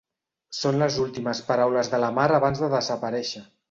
Són les últimes paraules de la Mar abans de desaparèixer.